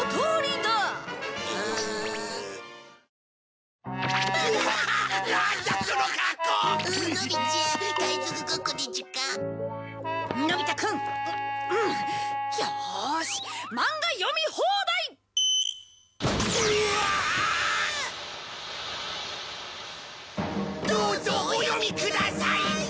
どうぞお読みください。